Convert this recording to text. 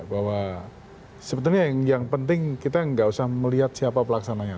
bahwa sebetulnya yang penting kita nggak usah melihat siapa pelaksananya